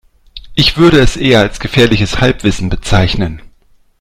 Ich würde es eher als gefährliches Halbwissen bezeichnen.